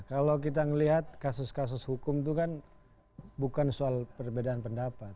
kalau kita melihat kasus kasus hukum itu kan bukan soal perbedaan pendapat